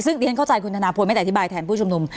ซึ่งเรียกได้เข้าใจคุณธนาคมไม่ได้อธิบายแถมผู้ชมนุม